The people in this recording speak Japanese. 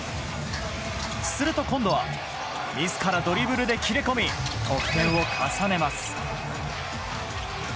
すると今度は自らドリブルで切れ込み得点を重ねます。